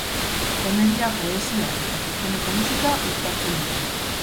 Komedia, poesia eta zuzeneko musika uztartzen ditu.